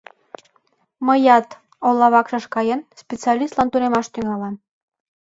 — Мыят, ола вакшыш каен, специалистлан тунемаш тӱҥалам!..